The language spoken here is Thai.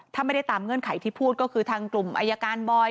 ถ้าไม่ได้ตามเงื่อนไขที่พูดก็คือทางกลุ่มอายการบอย